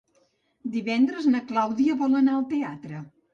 Divendres na Clàudia vol anar al teatre.